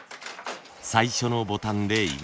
最初のボタンでいぐさ。